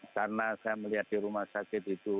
karena saya melihat di rumah sakit itu